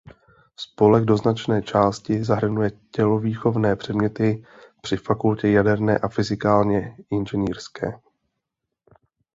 Spolek do značné části nahrazuje tělovýchovné předměty při Fakultě jaderné a fyzikálně inženýrské.